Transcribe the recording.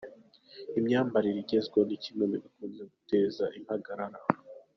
Imyambarire igezweho ni kimwe mu bikunze guteza impagarara.